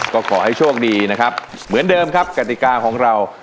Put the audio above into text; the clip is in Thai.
ก็ขอให้โชคดีนะครับเหมือนเดิมครับกติกาของเรา